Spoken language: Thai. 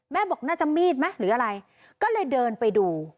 บอกน่าจะมีดไหมหรืออะไรก็เลยเดินไปดู